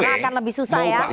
karena akan lebih susah ya